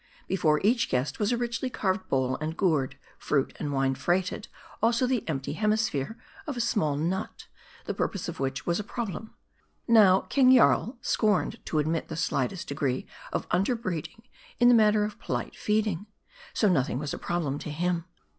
Before each guest was a richly carved bowl and gourd, fruit and wine freighted ; also the empty hemisphere of a small nut, the purpose of which was a problem. Now, King Jarl scorned to admit the slightest degree of under breeding in the matter of polite feeding. So nothing was a problem to him.